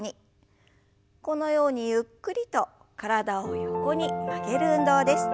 このようにゆっくりと体を横に曲げる運動です。